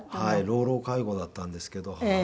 老老介護だったんですけど母は。